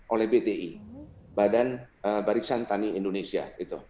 oleh bti badan barisan tani indonesia